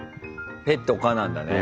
ペット可なんだね。